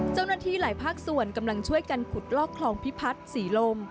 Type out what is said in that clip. เจ้าหน้าที่หลายภาคส่วนกำลังช่วยกันขุดลอกคลองพิพัฒน์ศรีลม